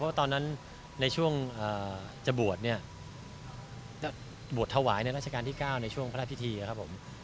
เพราะตอนนั้นในช่วงจะบวชเนี่ยบวชถวายในราชการที่๙ในช่วงพระราชพิธีครับผม